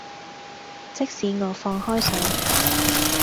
即使我放開手